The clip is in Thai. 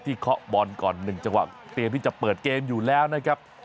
เคาะบอลก่อน๑จังหวะเตรียมที่จะเปิดเกมอยู่แล้วนะครับ